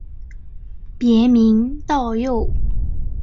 别名道佑。